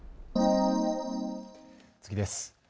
次です。